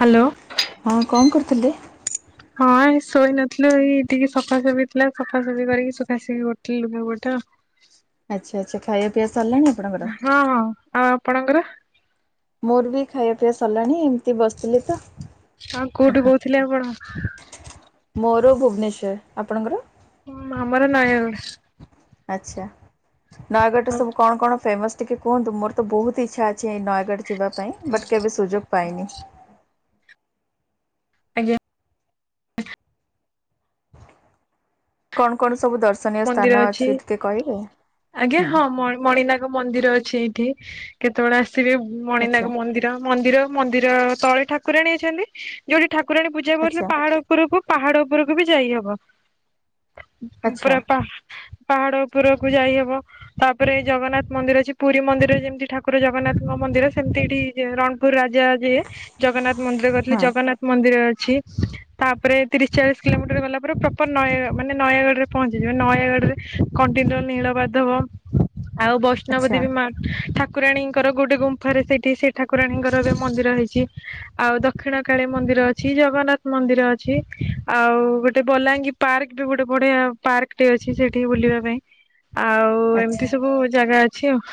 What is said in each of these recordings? Hello ହଁ କଣ କରୁଥିଲେ? ହଁ ଶୋଇ ନଥିଲୁ ଏଇ ଟିକେ ସଫାସଫି ଥିଲା ସଫାସଫି କରିକି ସୁଖାସଖି କରୁଥିଲେ ଲୁଗା ପଟା। ଆଚ୍ଛା ଆଚ୍ଛା ଖାଇବା ପିଆ ସରିଲାଣି ଆପଣଙ୍କର? ହଁ ହଁ ଆଉ ଆପଣଙ୍କର? ମୋର ବି ଖାଇବା ପିଇବା ସରିଲାଣି ଏମିତି ବସିଥିଲି ତ। ହଁ କୋଉଠି କହୁଥିଲେ ଆପଣ? ମୋର ଭୁବନେଶ୍ଵର ଆପଣଙ୍କର? ହଁ ଆମର ନୟାଗଡ଼। ଆଚ୍ଛା ନୟାଗଡ଼ର ଆଉ ସବୁ କଣ କଣ ଫେମସ ଟିକେ କୁହନ୍ତୁ ମୋର ତ ବହୁତ ଇଛା କି ନୟାଗଡ଼ ଯିବା ପାଇଁ ବଟ୍ କେବେ ସୁଯୋଗ ପାଇନି। ଆଜ୍ଞା କଣ କଣ ସବୁ ଦର୍ଶ ମନ୍ଦିର ଅଛି ଆଜ୍ଞା ହୁଁ ହଁ ମଣିନାଗ ମନ୍ଦିର ଅ ଏଇଠି କେତେବେଳେ ଆସିବେ ଆଚ୍ଛା ମଣିନାଗ ମନ୍ଦିର ମନ୍ଦିର ମନ୍ଦିର ତଳେ ଠାକୁରାଣୀ ଅଛନ୍ତି ଯୋଉଠି ଠାକୁରାଣୀ ପୂଜା କରିଲ ଆଚ୍ଛା ପାହାଡ ଉପରକୁ ପାହାଡ ଉପରକୁ ବି ଯାଇହବ ଆଚ୍ଛା ପ ପା ପାହାଡ ଉପରକୁ ଯାଇହବ। ତାପରେ ଜଗନ୍ନାଥ ମନ୍ଦିର ଅଛି ପୁରୀ ମନ୍ଦିରରେ ଯେମିତି ଠାକୁର ଜଗନ୍ନାଥଙ୍କ ମନ୍ଦିର ସେମିତି ଏଠି ରଣପୁର ରାଜା ଯିଏ ଜଗନ୍ନାଥ ମନ୍ଦିର କରିଥିଲେ ହଁ ଜଗନ୍ନାଥ ମନ୍ଦିର ଅଛି ତାପରେ ତିରିଶ ଚାଳିଶ କିଲୋମିଟର ଗଲା ପରେ ପ୍ରପର ନୟାଗ ମାନେ ନୟାଗଡ଼ ରେ ପହଞ୍ଚି ନୟାଗଡରେ କଣ୍ଟିନ ନୀଳ ମାଧବ ଆଉ ବ ବୈଷ୍ଣବ ଆଚ୍ଛା ଦେବୀ ମା ଠାକୁରାଣୀଙ୍କର ଗୋଟେ ଗୁମ୍ଫାରେ ସେଇଠି ସେ ଠାକୁରାଣୀଙ୍କର ଏବେ ମନ୍ଦିର ହେଇଛି। ଆଉ ଦକ୍ଷିଣ କାଳୀ ମନ୍ଦିର ଅଛି ଜଗନ୍ନାଥ ମନ୍ଦିର ଅଛି ଆଉ ଗୋଟେ ବଲାଙ୍ଗୀ ପାର୍କ ବି ଗୋଟେ ବଢିଆ ଆ ପାର୍କଟି ଅଛି ସେଠି ବୁଲିବା ପାଇଁ ଆଉ ଆଚ୍ଛା। ଏମିତି ସବୁ ଜାଗା ଅଛି ଆଉ।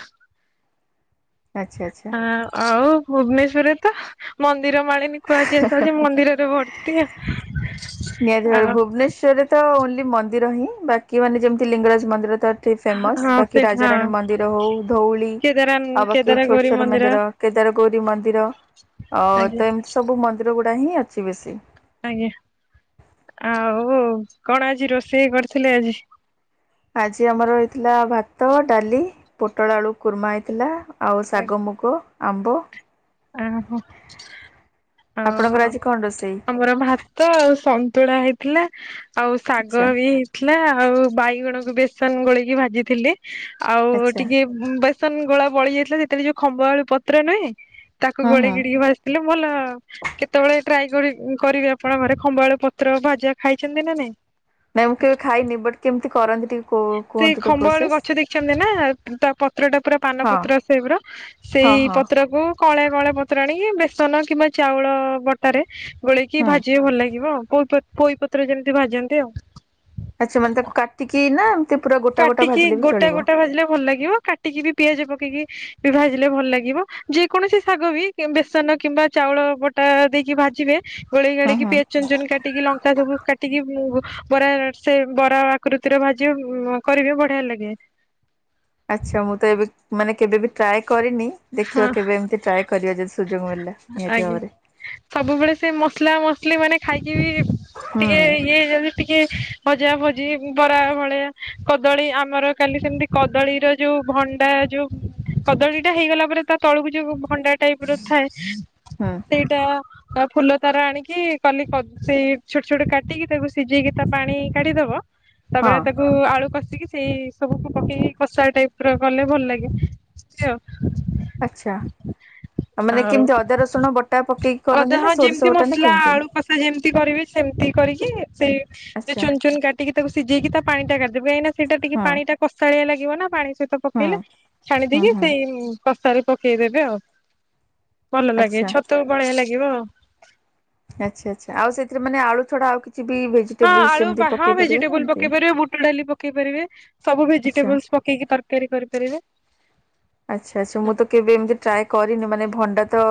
ଆଚ୍ଛା ଆ ଆଉ ଭୁବନେଶ୍ୱରରେ ତ ମନ୍ଦିର ମାଳିନି କୁହାଯାଇ ଆସ ମନ୍ଦିରରେ ଭର୍ ନିହାତି ଭାବରେ [inaudible] ଭୁବନେଶ୍ୱରରେ ତ ଓନ୍ଲି ମନ୍ଦିର ହିଁ ବାକି ମାନେ ଯେମିତି ଲିଙ୍ଗରାଜ ମନ୍ଦିର ତ ଫେମସ ହଁ ବାକି ସେଇଠି ହଁ ରାଜାରାଣୀ ମନ୍ଦିର ହଉ, ଧଉଳି କେଦାର ଆଉ ବାକି କେଦାର ଛୋଟ ଗୌରୀ ଛୋଟ ମନ୍ଦିର କେଦାର ଗୌରୀ ମନ୍ଦିର ଅ ଆଜ୍ଞା ତ ଏମିତି ସବୁ ମନ୍ଦିର। ମନ୍ଦିର ଗୁଡା ହିଁ ଅଛି ବେଶୀ। ଆଜ୍ଞା, ଆଉ କଣ ଆଜି ରୋଷେଇ କରିଥିଲେ ଆଜି? ଆଜି ଆମର ହେଇଥିଲା ଭାତ, ଡାଲି ପୋଟଳ ଆଳୁ କୁର୍ମା, ହେଇଥିଲା। ଆଉ ଶାଗ ମୁଗ, ଆମ୍ବ। ଓହୋ ଆପଣଙ୍କର ହଉ, ଉ ଆଜି କଣ ରୋଷେଇ ଆମର ଭା ଭାତ ଆଉ ସନ୍ତୁଳା ହେଇଥିଲା ଆଉ ଶାଗ ଆଚ୍ଛା ବି। ଥିଲା ଆଉ ବାଇଗଣକୁ ବେସନ ଗୋଳେଇକି ଭାଜିଥିଲି ଆଉ ଆଚ୍ଛା ଟିକେ ବେସନ ଗୋଳା ବଳି ଯାଇଥିଲା ସେଥିରେ ଯୋଉ ଖମ୍ବ ଆଳୁ ପତ୍ର ନୁହେଁ? ତାକୁ ହୁଁ ହୁଁ ଗୋଳେକି ଭାଜିଥିଲି ଭଲ ଆ କେତେବେଳେ ଟ୍ରାଏ କରିବେ ଆପଣ ଘରେ ଖମ୍ବ ଆଳୁ ପତ୍ର ଭାଜା ଖାଇଛନ୍ତି ନା ନାଇଁ? ନାଇଁ ମୁଁ କେବେ ଖାଇନି, ବଟ୍ କେମିତି କରନ୍ତି ଟିକେ କୁହନ୍ତୁ ତ ପ୍ରୋସେସ? ଦେଇଛନ୍ତି ନା ତା ପତ୍ର ଟା ପୁରା ପାନ ହଁ ପତ୍ର ସେପ୍ ର ହଁ ସେଇ ହଁ ପତ୍ରକୁ କଳେ କଳେ ପତ୍ର ଆଣ ବେସନ କିମ୍ବା ଚାଉଳ ବ ତାରେ ଗୋଳେଇକି ହୁଁ ଭାଜିବେ ଭଲ ଲାଗିବ ଆ ପୋଇପତ୍ର ଯେମିତି ଭାଜନ୍ତି ଆଉ। ଆଚ୍ଛା ମାନେ ତାକୁ କା ଟିକେ ନା ପୁରା ଗୋଟା ଗୋଟା କାଟିକି ଭାଜିଲେ ବି ଗୋଟା ଚଳିବ। ଗୋଟା ଭାଜିଲେ ଭଲ ଲାଗିବ କାଟିକି ବି ପିଆଜ ପକେଇକି ବି ଭାଜିଲେ ଭଲ ଲାଗିବ ଯେ କୌଣସି ଶାଗ ବି ବେସନ କିମ୍ବା ଚାଉଳ ବଟା ଦେଇକି ଭାଜିବେ। ଗୋଳେଇ ହଁ ଗୋଳେଇକି ହଁ। ପି ଚୁନଚୁନ କାଟିକି ଲଙ୍କା ସବୁ କାଟିକି ମୁ ବରା ସେ ବରା ଆକୃତିର ଭାଜିିବ। କରିବେ ବଢିଆ ଲାଗେ। ଆଚ୍ଛା, ମୁଁ ତ ଏବେ ମାନେ କେବେ ବି ଟ୍ରାଏ କରିନି ଦେଖିବା ହଁ କେବେ ଏମିତି ଟ୍ରାଏ କରିବି। ସୁଯୋଗ ମିଳିଥିଲା ନିତି ଆଜ୍ଞା। ବରେ। ସବୁବେଳେ ସେ ମସଲା ମସଲି ମାନେ ଖାଇକି ବି ଟିକେ ହୁଁ। ଇଏ ହେଇଯା ଟିକେ ଭଜା ଭଜି ବରା ଭଳିଆ କଦଳୀ ଆମର କାଲି ସେମିତି କଦଳୀର ଯୋଉ ଭଣ୍ଡା ଯୋଉ କଦଳୀ ଟା ହେଇଗଲା ପରେ ତା ତଳୁକୁ ଯୋଉ ଭଣ୍ଡା। ଟାଇପ ର ଥାଏ ହୁଁ ସେଇଟା। ଫୁଲ ତାର ଆଣିକି କାଲି ସେଇ ଛୋଟ ଛୋଟ କାଟିକି ତାକୁ ସିଝେଇକି ତା ପାଣି କାଢିଦବ। ତାପରେ ହଁ ତାକୁ ଆଳୁ କଷିକି ସେଇ ସବୁକୁ ପକେଇକି କଷା ଟାଇପ ର କଲେ ଭଲ ଲାଗେ ବୁଝିଲ? ଆଚ୍ଛା, ଆ ମାନେ ଆଉ। କେମିତି ଅଦା ରସୁଣ ବଟା ପକେଇକି କରନ୍ତି, ନା ସୋରିଷ ବଟା ନା କେମିତି? ସେ ଯେମିତି କରିବେ ସେମିତି କରିକି ସେଇ ଯେଉ ଆଚ୍ଛା ଚୁନ ଚୁନ କାଟିକି ତାକୁ ସିଝେଇକି ତା ପାଣି ଟା କାଢିଦେବେ କାହିଁକି ସେଟା ଟିକେ ହଁ ପାଣି ଟା କଷାଳିଆ ଲାଗିବ ନା ପାଣି ସହିତ ହଁ ପକେଇଲେ ଛାଣି ହଁ ଦେଇକି ହଁ ସେଇ କଶା ରେ ପକେଇଦେବେ ଆଉ। ଭଲ ଲାଗେ ଆଚ୍ଛା। ଛତକୁ ଭଳିଆ ଲାଗିବ। ଆଚ୍ଛା, ଆଚ୍ଛା, ଆଉ ସେଥିରେ ମାନେ ଆଳୁ ଛଡା ଆଉ କିଛି ବି ଭେ ହଁ ଆଳୁ ବାହା ଭେଜିଟେବୁଲ ପକେଇପାରିବେ, ବୁଟ ଡାଲି ପକେଇ ପକେଇ ପାରିବେ ସବୁ ଆଚ୍ଛା। ଭେଜିଟେବଲସ ପକେଇକି ତରକାରୀ କରିପାରିବେ। ଆଚ୍ଛା, ଆଚ୍ଛା, ମୁଁ ତ କେବେ ଏମିତି ଟ୍ରାଏ କରିନି ମାନେ ଭଣ୍ଡା ତ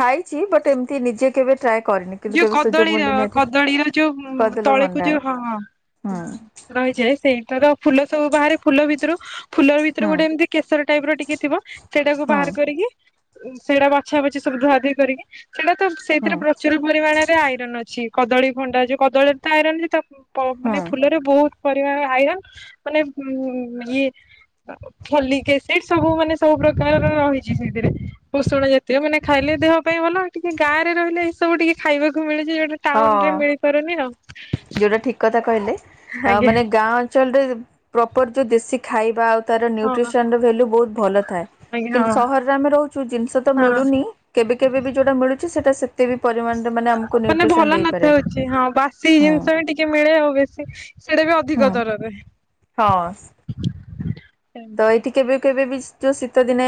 ଖାଇଛି ବଟ୍ ଏମତି ନିଜେ କେବେ ଟ୍ରାଏ କରିନି କିନ୍ତୁ ଯୋଉ କେବେ ସୁଯୋଗ କଦଳୀର ମିଳିଲେ ନିହାତି କଦଳୀର ଯୋଉ କରିଦେଲ ତଳେକୁ ଭଣ୍ଡା ଯୋଉ ହଁଁ ହଁ। ହୁଁ ରହିଯାଏ ସେଇ ତର ଫୁଲ ସବୁ ବାହାରେ ଫୁଲ ଭିତରୁ ଫୁଲର ଭିତରେ ହୁଁ ଗୋଟେ ଏମିତି କେଶର ଟାଇପ ର ଟିକେ ଥିବ ସେଇଟାକୁ ହୁଁ ବାହାର କରିକି ସେଟା ବଛା ବଛି ସବୁ ଧୁଆ ଧୋଇ କରିକି ସେଇଟା ତ ହୁଁ ସେଇଥିରେ ପୁ ଭଲ ପରିମାଣରେ ଆଇରନ ଅଛି କଦଳୀ ଖଣ୍ଡା ଯଉ କଦଳୀରେ ତ ଆଇରନ୍ ଅ ତା ମାନେ ହୁଁ ଫୁଲରେ ବହୁତ ପରିବା ଆଇରନ୍ ମାନେ ଉ ଇଏ ସବୁ ମାନେ ସବୁ ପ୍ରକାରର ରହିଛି ସେଥିରେ ପୋଷଣ ଜାତୀୟ ମାନେ ଖାଇଲେ ଦେହ ପାଇଁ ଭଲ। ଟିକେ ଗାଁ ରେ ରହିଲେ ଏ ସବୁ ଟିକେ ଖାଇବାକୁ ମିଳୁଛି ଯୋଉଟା ଟାଉନ ରେ ହଁ ମିଳିପାରୁନି ଆଉ। ଯୋଉଟା ଠିକ କଥା କହିଲେ ଆ ଆଜ୍ଞା। ମାନେ ଗାଁ ଅଞ୍ଚଳରେ ପ୍ରପର ଯୋଉ ଦେଶୀ ଖାଇବା ଆ ତାର ହଁ ନ୍ୟୁଟ୍ରିସନ ର ଭାଲ୍ୟୁ ବହୁତ ଭଲ ଥାଏ ଆଜ୍ଞା କିନ୍ତୁ ହଁ ସହରରେ ଆମେ ରହୁଛୁ ଜିନିଷ ତ ହଁ ମିଳୁନି କେବେ କେବେ ବି ଯୋଉଟା ମିଳୁ ସେଟା ସେତେ ବି ପରିମାଣରେ ମାନେ ଆମକୁ ଭଲ ନ୍ୟୁଟ୍ରିସନ ଦେଇପାରେନି। ନଥାଉଛି ହଁ ବାସି ହୁଁ ଜିନିଷ ବି ଟିକେ ମିଳେ ଆଉ ବେଶୀ ସେଇଟା ବି ଅଧିକ ହୁଁ ଦରରେ। ହଁ। ତ ଏଇଠି କେବେ କେବେ ବି ଯଉ ଶୀତ ଦିନେ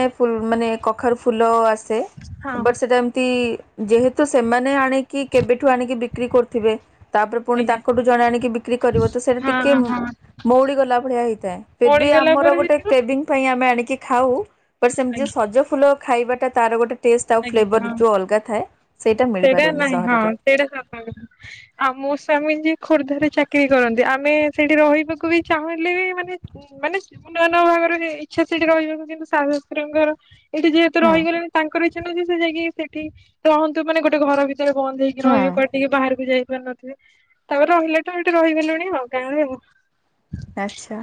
ମାନେ କଖାରୁ ଫୁଲ ଆସେ। ହଁ ବଟ ସେଟା ଏମିତି ଯେହେତୁ ସେମାନେ ଆଣିକି କେବେଠୁ ଆଣିକି ବିକ୍ରି କରୁଥିବେ। ତାପରେ ପୁଣି ଆଜ୍ଞା ତାଙ୍କଠୁ ଜଣେ ଆଣିକି ବିକ୍ରି କରିବ ତ ସେଇଟା ହଁ ଟିକେ ହଁ ମଉଡ଼ି ଗଲା ଭଳିଆ ହେଇଥାଏ ଫିର୍ ବି ମଳିଗଲା ଆମର ପରେ ଗୋଟେ ହେଇଥିବ [unintelligible] ଆମେ ଆଣିକି ଖାଉ ସେମିତି ଆଜ୍ଞା ସଜ ଫୁଲ ଖାଇବା ଟା ଗୋଟେ ତାର ଟେଷ୍ଟ ଆଉ ଆଜ୍ଞା ହଁ। ଫ୍ଲେଭର ଯେଉଁ ଅଲଗା ଥାଏ ସେଇଟା ମିଳିପାରେନି ସହରରେ। ସେଟା ଖ ଆଉ ମୋ ସ୍ଵାମୀ ଯିଏ ଖୋର୍ଦ୍ଧାରେ ଚାକିରି କରନ୍ତି ଆମେ ସେଇଠି ରହିବାକୁ ବି ଚାହୁଁଲେ ବି ମାନେ ମାନେ ନୂଆ ନୂଆ ବାହାଘର ଇଚ୍ଛା ସେଠି ରହିବ କିନ୍ତୁ ଶାଶୁ ଶଶୁରଙ୍କର ଏଇଠି ଯେହେତୁ ହୁଁ ରହିଗଲେଣି ତାଙ୍କର ଇଚ୍ଛା ନଉଛି ସେ ଯାଇକି ସେଠି ରହନ୍ତୁ ମାନେ ଗୋଟେ ଘ ଭିତରେ ବନ୍ଦ ହେଇକି। ହୁଁ ରହିବି କୁଆଡେ ଟିକେ ବାହାରକୁ ଯାଇ ପାରୁ ନଥିବି ତାପରେ ରହିଲା ତା ଟିକେ ରହିଗଲଣି ଆଉ ଗାଁରେ। ଆଚ୍ଛା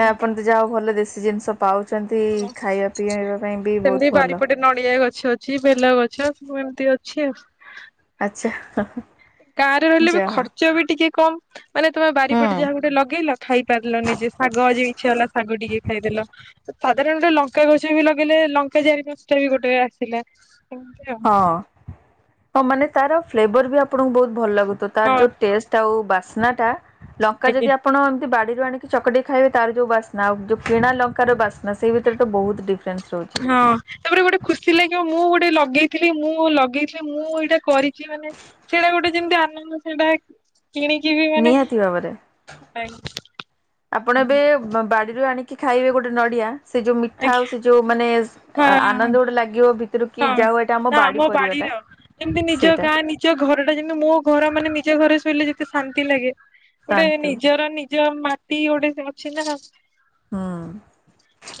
ନା ଆପଣ ତ ଯା ହଉ ଭଲ ଦେଶୀ ଜିନିଷ ପାଉଛନ୍ତି ହଁ ଖାଇବା ପିଇବା ପାଇଁ ବି ସେମିତି ବହୁତ ଭଲ। ବାରିପଟେ ନଡିଆ ଗଛ ଅଛି। ବେଲ ଗଛ ସବୁ ଏମିତି ଅଛି ଆଉ। ଆଚ୍ଛା। ଗାଁରେ ରହିଲେ ବି ଯା ହଉ ଖର୍ଚ୍ଚ ବି ଟିକେ କମ। ମାନେ ତମେ ହୁଁ ବାରିପଟେ ଯାହା ଗୋଟେ ଲଗେଇଲ ଖାଇ ପାରିଲ ନିଯେ, ଶାଗ ଆଜି ଇଛା ହେଲା ଶାଗ ଟିକେ ଖାଇଦେଲ। ସାଧାରଣତ ଲଙ୍କା ଗଛ ବି ଲଗେଇଲେ ଲଙ୍କା ଚାରି ପାଞ୍ଚଟା ବି ଗୋଟେ ଆସିଲା। ଏମିତି ଆଉ ହଁ ହଁ ମାନେ ତାର ଫ୍ଲେଭର ବି ଆପଣଙ୍କୁ ବହୁତ ଭଲ ଲାଗୁଥିବ ତାର ହଁ ଯୋଉ ଟେଷ୍ଟ ତା ବାସ୍ନା ଟା ଲଙ୍କା ଆଜ୍ଞା ଯଦି ଆପଣ ଏମିତି ବାଡ଼ିରୁ ଆଣିକି ଚକଟିକି ଖାଇବେ ତାର ଯେଉଁ ବାସ୍ନା ଆଉ ଯେଉଁ କିଣା ଲଙ୍କାର ବାସ୍ନା ସେହି ଭିତରେ ତ ବହୁତ ଡିଫ ଫ୍ରେନ୍ସ ରହୁଛି। ହଁ ତାପରେ ଗୋଟେ ଖୁସି ଲାଗିବ ମୁଁ ଗୋଟେ ଲଗେଇଥିଲି ମୁଁ ଲଗେଇଥିଲି ମୁଁ ଏଇଟା କରିଛି ମାନେ। ସେଇଟା ଗୋଟେ ଯେମିତି ଆ ସେଇଟା କିଣିକି ବି ମାନେ ନିହାତି ଭାବରେ ଆପଣ ଏବେ ବାଡିରୁ ଆଣ କି ଖାଇବେ ଗୋଟେ ନଡିଆ ସେ ଯୋଉ ମିଠା ଆଉ ଆଜ୍ଞା ସେ ଯୋଉ ମାନେ ହଁ। ଆନନ୍ଦ ଗୋଟେ ଲାଗିବ। ଭିତରୁ କି ହଁ ଯାଉ ଏଇଟା ନା ବାଡି ଆମ ପରିବାଟା ବାଡିର ଏମତି ନିଜ ସେଇଟା ଗାଁ ନି ନିଜ ଘର ଟା ଯେମିତି ମୋ ଘର ମାନେ ନିଜ ଘରେ ଶୋଇଲେ ଯେମିତି ଶାନ୍ତି ଲାଗେ ଗୋଟେ ଶାନ୍ତି ନିଜର ଯ ମାଟି ଗୋଟେ ସେ ଅଛି ନା ଆଉ। ହୁଁ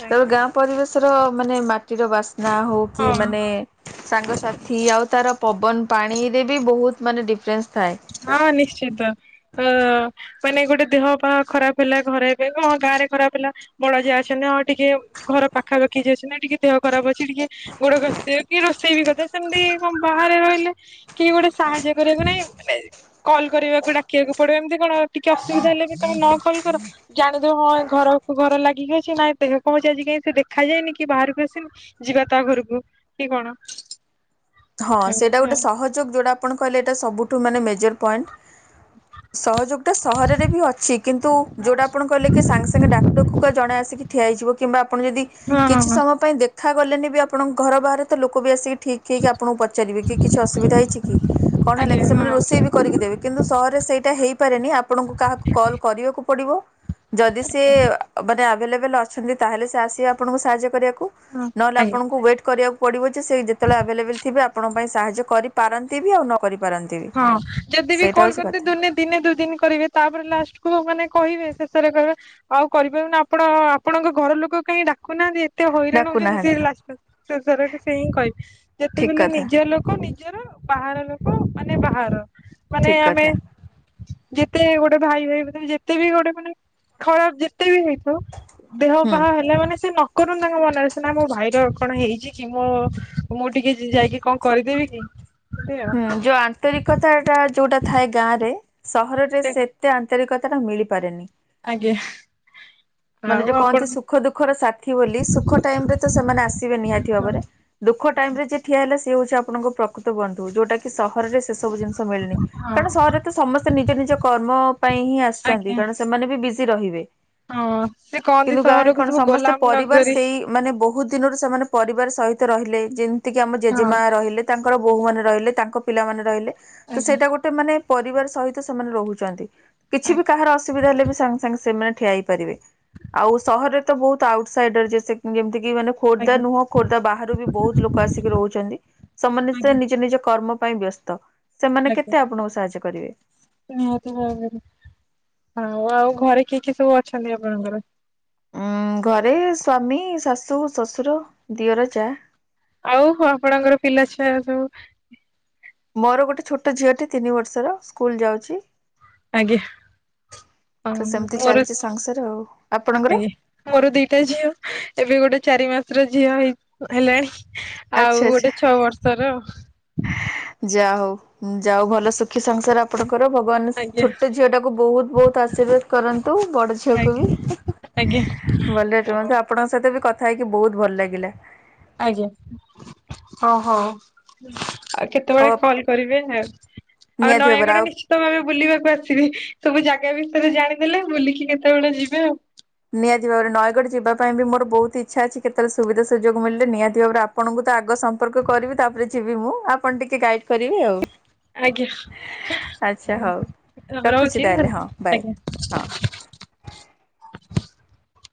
ତାପରେ ଗାଁ ପରିବେଶର ମାନେ ମାଟିର ବାସ୍ନା ହଉ କି ହଁ ମାନେ ସାଙ୍ଗସାଥି ଆଉ ତାର ପବନ ପାଣିରେ ବି ବହୁତ ମାନେ ଡିଫରେନ୍ସ ଥାଏ। ହଁ ନିଶ୍ଚିତ। ଅ ମାନେ ଗୋଟେ ଦେହ ପା ଖରାପ ହେଲା ଘରେବି କଣ ଗାଁ ରେ ଖରାପ ହେଲା। ବଡ ଯାଆ ଅଛନ୍ତି ନା ଆ ଟିକେ ଘର ପାଖାପାଖି ଯାଇ ଅ ନା ଟିକେ ଦେହ ଖରାପ ଅଛି ଟିକେ ଗୋଡ ଘୋଷି ଦେବେ କି ରୋଷେଇ ବି କରିଦେବେ ସେମିତି କଣ ବାହାରେ ରହିଲେ କିଏ ଗୋଟେ ସାହାଯ୍ୟ କରିବାକୁ ନାଇଁ ମାନେ କଲ୍ କରିବାକୁ ଡାକିବାକୁ ପଡିବ ଏମିତି କଣ ଟିକେ ଅସୁବିଧା ହେଲେ ବି ତମେ ନ କଲ କର ଜାଣିଦବ ହଁ ଏ ଘର ଘର ଲାଗିକି ଅଛି ନାଇଁ ଦେହ କଣଛି ଆଜି କାଇଁ ସେ ଦେଖାଯାଇନି କି ବାହାରକୁ ଆସିନି। ଯିବା ତା ଘରକୁ କି କଣ? ହଁ ସେଇଟା ଏମିତି ଗୋଟେ ଆଉ ସହଜ ଯଉଟା, ଆପଣ କହିଲେ ଏଇଟା ସବୁଠୁ ମାନେ ମେଜର ପଏଣ୍ଟ। ସହଯୋଗ ଟା ସହରରେ ବି ଅଛି। କିନ୍ତୁ, ଯୋଉଟା ଆପଣ କହିଲେ କି ସାଙ୍ଗେ ସାଙ୍ଗେ ଡାକୁ ଡାକୁ କା ଜଣେ ଆସିକି ଠିଆ ହେଇଯିବ କିମ୍ବା ଆପଣ ଯଦି ହଁ ହଁ କିଛି ହଁ ସମୟ ପାଇଁ ଦେଖ କଥା ଗଲେନି ବି ଆପଣଙ୍କ ଘର ବାହାରେ ତ ଲୋକ ବି ଆସିକି ଠିକ୍ ହେଇକି ଆପଣଙ୍କୁ ପଚାରିବେ କିଛି ଅସୁବିଧା ହୋଇଇଛି କି। କଣ ହେଲା କି ଆଜ୍ଞା ହଁ ସେମାନେ ଆଜ୍ଞା ହଁ ରୋଷେଇ ବି କରିକି ଦେବେ। କିନ୍ତୁ, ସହରରେ ସେଇଟା ହେଇପାରେନି। ଆପଣଙ୍କୁ କାହାକୁ କଲ୍ କରିବାକୁ ପଡିବ। ଯଦି ସେ ମାନେ ଆଭେଲେବଲ୍ ଅଛନ୍ତି ତାହେଲେ ସେ ଆସିବେ ଆପଣଙ୍କୁ ସାହାଯ୍ୟ କରିବାକୁ। ନହେଲେ ଆଜ୍ଞା। ଆପଣଙ୍କୁ ୱେଟ୍ କରିବାକୁ ପଡିବ ଯେ ସେ ଯେତେବେଳେ ଆଭେଲେବଲ ଥିବେ ଆପଣଙ୍କ ପାଇଁ ସାହାଯ୍ୟ କରିପାରନ୍ତି ବି ଆଉ ନ କରିପାରନ୍ତି। ବି ହଁ ଯଦି ବି ସେଇଟା କଲ ହେଉଛି କରନ୍ତି କଥା। ଦୁନିଆ ଦିନେ ଦୁଇ ଦିନ କରିବେ ତାପରେ ଲାଷ୍ଟକୁ ମାନେ କହିବେ ଶେଷରେ କହିବେ ଆଉ କରିପାରାରୁନ ଆପଣ ଆପଣଙ୍କ ଘର ଲୋକ କାହିଁ ଡାକୁନାହାନ୍ତି। କେତେ ହଇରାଣ ହଉ ସେ ଡାକୁନାହାନ୍ତି ଲାଷ୍ଟ ଶେଷରେରେ ସେ ହିଁ କହିବେ ଠିକ ଯେତେବେଳେ କଥା ନିଜ ଲୋକ ନିଜର ବାହାର ଲୋକ ମାନେ ବାହାର ମାନେ ଠିକ ଆମେ କଥା ଯେତେ ଗୋଟେ ଭାଇ ଭାଇ ବ ଯେତେ ବି ଗୋଟେ ମାନେ ଖରାପ ଯେତେ ବି ହେଇଥାଉ। ଦେହ ହୁଁ ବାହା ହେଲେ ମାନେ ସେ ନ କରୁନ ତାଙ୍କ ମନରେ ସେନା ମୋ ଭାଇର କଣ ହେଇଛି କି ମୁଁ ମୁଁ ଟିକେ ଯାଇକି କଣ କରିଦେବି କି। ଏ ଆଉ [inaudible] ହୁଁ ଯୋଉ ଆନ୍ତରିକତା ଟା ଯୋଉଟା ଥାଏ ଗାଁ ରେ ସହରରେ ସେ ଏତେ ଆନ୍ତରିକତା ଟା ମିଳିପାରେନି। ଆଜ୍ଞା। ମାନେ ଆଉ ଯୋଉ ଆପଣ କହନ୍ତି ସୁଖ ଦୁଃଖର ସାଥୀ ବୋଲି ସୁଖ ଟାଇମ ରେ ତ ସେମାନେ ଆସିବେ ନିହାତି ହଁ ଭାବରେ। ଦୁଃଖ ଆଜ୍ଞା ଟାଇମ୍ ରେ ଯିଏ ଠିଆ ହେଲା ସିଏ ହଉଛି ଆପଣଙ୍କକୃତ ବନ୍ଧୁ। ଯୋଉଟାକ କି ସହରରେ ସେ ସବୁ ଜିନିଷ ତ ମିଳେନି ହଁ କାରଣ ସହରରେ ତ ସମସ୍ତେ ନିଜ ନିଜ କର୍ମ ପାଇଁ ହିଁ ଆସୁଛନ୍ତି। ଆଜ୍ଞା କାରଣ ସ୍ ସେମାନେ ବି ବିଜି ରହିବେ। ହଁ ସେ କହନ୍ତି କିନ୍ତୁ ଗାଁରେ ସହରକୁ କଣ ସବୁ ସମସ୍ତେ ଗୋଲାମ ପରିବାର ନଗରୀ। ସେଇ ମାନେ ବୋହୁତ ଦିନରୁ ସେମାନେ ପରିବାର ସହିତ ରହିଲେ। ଯେମିତିକି ଆମ ହଁ ଜେଜେମା ରହିଲେ ତାଙ୍କର ବୋହୁ ମାନେ ରହିଲେ ତାଙ୍କ ପିଲାମାନେ ରହିଲେ ତ ଆଜ୍ଞା ସେଇଟା ଗୋ ଟେ ମାନେ ପରିବାର ସହିତ ସେମାନେ ରହୁଛନ୍ତି। କିଛି ଆଜ୍ଞା ବି କାହାର ଅସୁବିଧା ହେଲେ ବି ସାଙ୍ଗେ ସାଙ୍ଗେ ସେମାନେ ଠିଆ ହେଇପାରିବେ। ଆଉ ସହରରେ ତ ବୋହୁତ ଆଉଟ ସାଇଡର ଯେ ସେ ଯେମିତି କି ମାନେ ଖୋର୍ଦ୍ଧା ଆଜ୍ଞା ନୁହଁ ଖୋର୍ଦ୍ଧା ବାହାରୁ ବି ବୋହୁତ ଲୋକ ଆସିକି ରହୁଛନ୍ତି। ସ ମାନେ ସେ ଆଜ୍ଞା ନିଜ ନିଜ କର୍ମ ପାଇଁ ବ୍ୟସ୍ତ। ସେମାନେ ଆଜ୍ଞା କେତେ ଆପଣଙ୍କୁ ସାହାଯ୍ୟ କରିବେ? ନିହାତି ଭାବରେ ହଁ ଆଉ ଘରେ କିଏ କିଏ ସବୁ ଅଛନ୍ତି ଆପଣଙ୍କର? ଉଁ ଘରେ ସ୍ଵାମୀ, ଶାଶୁ, ଶଶୁର, ଦିଅର, ଚା। ଆଉ ହ ଆପଣଙ୍କର ପିଲାଛୁଆ ଏବେ ସବୁ? ମୋର ଗୋଟେ ଛୋଟ ଝିଅଟେ ତିନି ବର୍ଷର ସ୍କୁଲ ଯାଉଛି। ଆଜ୍ଞା [unintelligible] ତ ସେମିତି ଆଜ୍ଞା। ଚାଲିଛି ସଂସାର ଆଉ ଆପଣଙ୍କର ମୋର ଦିଟା ଝିଅ। ଏବେ ଗୋଟେ ଚାରି ମାସର ଝିଅ ହେଇ ହ ହେଲାଣି। ଆଚ୍ଛା ଆଉ ଆଚ୍ଛା ଗୋଟେ ଛଅ ବର୍ଷର। ଯା ହଉ ଯା ହଉ ଭଲ ସୁଖୀ ସଂସାର ଆପଣଙ୍କର ଭଗବାନ ଆଜ୍ଞା ଛୋଟ ଝିଅ ଟାକୁ ବୋହୁତ ବୋହୁତ ଆଶୀର୍ବାଦ କରନ୍ତୁ ବଡ଼ ଝିଅକୁ ଆଜ୍ଞା ବି। ଆଜ୍ଞା ଭଲରେ ରୁହନ୍ତୁ ଆପଣଙ୍କ ସହିତ ବି କଥା ହେଇକି ବୋହୁତ ଭଲ ଲାଗିଲା। ଆଜ୍ଞା ହ ହୋ ଆଉ କେତେବେଳେ ହଉ କଲ୍ କରିବେ ଆଉ ଆଉ ନିହାତି ଭାବରେ ନୟାଗଡ଼ ନିଶ୍ଚି ତ ଆମେ ବୁଲିବାକୁ ଆସିବେ ସବୁ ଜାଗା ବିଷୟରେ ଜାଣିଦେଲେ ବୁଲିକି କେତେବେଳେ ଯିବେ ଆଉ। ନିହାତି ଭାବରେ ନୟାଗଡ଼ ଯିବା ପାଇଁ ବି ମୋର ବୋହୁତ ଇଛା ଅଛି କେତେବେଳେ ସୁବିଧା ସୁଯୋଗ ମିଳିଲେ ନିହାତି ଭାବରେ ଆ ପଣଙ୍କୁ ତ ଆଗ ସମ୍ପର୍କ କରିବି ତାପରେ ଯିବି ମୁଁ ଆପଣ ଟିକେ ଗାଇଡ଼ କରିବେ ଆଉ। ଆଜ୍ଞା। ଆଚ୍ଛା ହଉ ରଖୁଛି ରହୁଛି ତାହେଲେ ହଁ ବାଏ ଆଜ୍ଞା। ହଁ।